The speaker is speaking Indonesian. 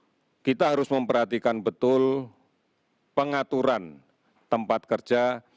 misalnya di kantor kita harus memperhatikan betul pengaturan tempat kerja